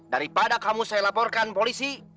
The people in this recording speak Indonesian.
daripada kamu saya laporkan polisi